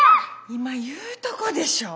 今言うとこでしょう。